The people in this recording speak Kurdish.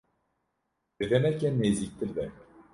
Di demeke nêzîktir de.